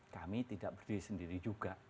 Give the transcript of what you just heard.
kami tidak berdiri sendiri juga